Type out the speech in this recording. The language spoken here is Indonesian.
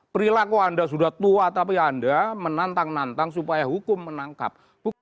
perilaku anda sudah tua tapi anda menantang nantang supaya hukum menangkap